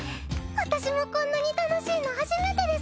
私もこんなに楽しいの初めてです。